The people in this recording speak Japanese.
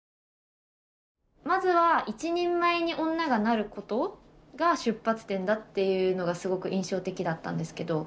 まずは一人前に女がなることが出発点だというのがすごく印象的だったんですけど。